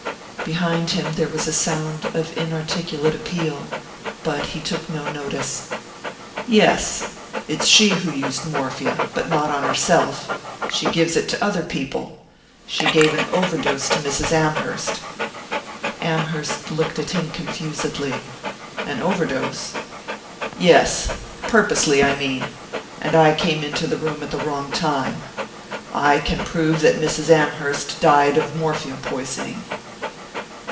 Behind him there was a sound of inarticulate appeal but he took no notice. "Yes. It's she who used morphia but not on herself. She gives it to other people. She gave an overdose to Mrs. Amherst." Amherst looked at him confusedly. "An overdose?" "Yes purposely, I mean. And I came into the room at the wrong time. I can prove that Mrs. Amherst died of morphia poisoning."